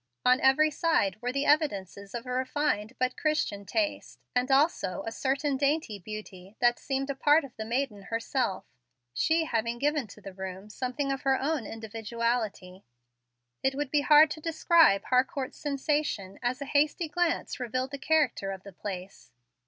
On every side were the evidences of a refined but Christian taste, and also a certain dainty beauty that seemed a part of the maiden herself, she having given to the room something of her own individuality. It would be hard to describe Harcourt's sensation as a hasty glance revealed the character of the place.